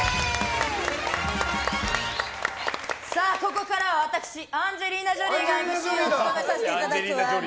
ここからは私アンジェリーナ・ジョリーが司会を務めさせていただくわ。